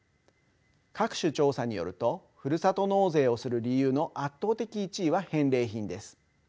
各種調査によるとふるさと納税をする理由の圧倒的１位は返礼品です。